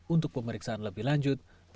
untuk pemeriksaan lebih lanjut